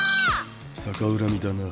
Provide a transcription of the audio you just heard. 逆恨みだな。